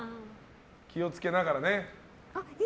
気を付けながらね。